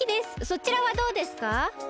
そちらはどうですか？